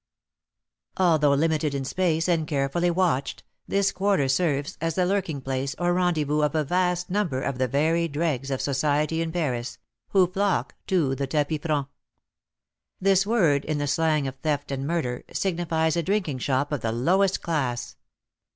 Although limited in space, and carefully watched, this quarter serves as the lurking place, or rendezvous, of a vast number of the very dregs of society in Paris, who flock to the tapis franc. This word, in the slang of theft and murder, signifies a drinking shop of the lowest class.